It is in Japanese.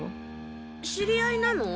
知り合いなの？